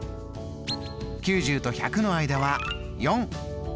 ９０と１００の間は４。